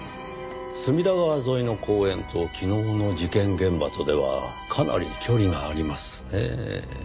隅田川沿いの公園と昨日の事件現場とではかなり距離がありますねぇ。